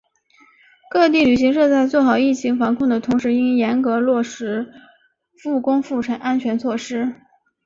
各地旅行社在做好疫情防控的同时应严格落实复工复产安全措施